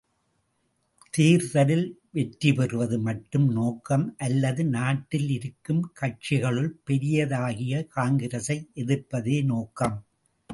தேர்தலில் வெற்றி பெறுவது மட்டுமே நோக்கம் அல்லது நாட்டில் இருக்கும் கட்சிகளுள் பெரியதாகிய காங்கிரசை எதிர்ப்பதே நோக்கம்.